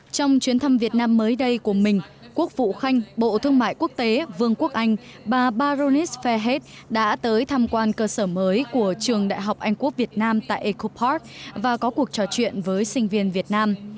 trong chuyến thăm việt nam mới đây của mình quốc vụ khanh bộ thương mại quốc tế vương quốc anh bà baronis fairhetad đã tới tham quan cơ sở mới của trường đại học anh quốc việt nam tại ecopart và có cuộc trò chuyện với sinh viên việt nam